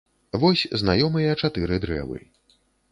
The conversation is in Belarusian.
Вось знаёмыя чатыры дрэвы.